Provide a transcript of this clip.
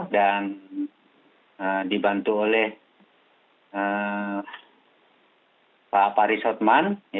dan dibantu oleh pak paris hotman